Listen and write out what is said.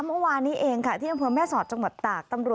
เมื่อวานนี้เองค่ะที่อำเภอแม่สอดจังหวัดตาก